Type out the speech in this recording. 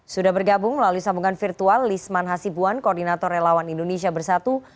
sudah bergabung melalui sambungan virtual lisman hasibuan koordinator relawan indonesia bersatu